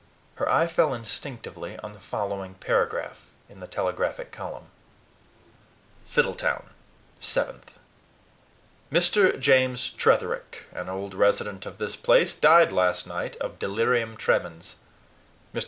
Her eye fell instinctively on the following paragraph in the telegraphic column: FIDDLETOWN, 7th. Mr. James Tretherick, an old resident of this place, died last night of delirium tremens. Mr.